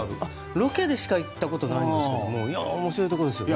ロケでしか行ったことないんですけども面白いところですよね。